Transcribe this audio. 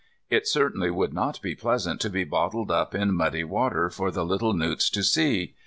It certainly would not be pleasant to be bottled up in muddy water for the little newts to see.